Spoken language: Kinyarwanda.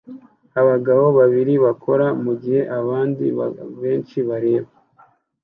Abagabo babiri bakora mugihe abandi benshi bareba